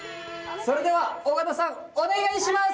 それでは尾形さんお願いします！